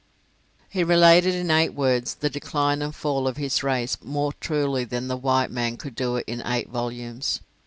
He related in eight words the decline and fall of his race more truly than the white man could do it in eight volumes.